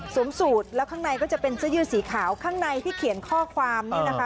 สูตรแล้วข้างในก็จะเป็นเสื้อยืดสีขาวข้างในที่เขียนข้อความเนี่ยนะคะ